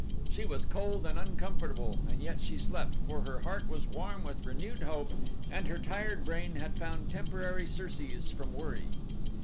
She was cold and uncomfortable and yet she slept, for her heart was warm with renewed hope and her tired brain had found temporary surcease from worry.